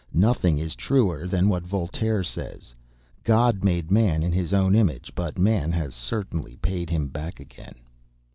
Nothing is truer than what Voltaire says: 'God made man in His own image, but man has certainly paid Him back again.'